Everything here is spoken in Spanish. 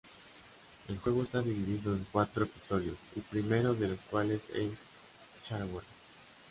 El juego está dividido en cuatro episodios, el primero de los cuales es shareware.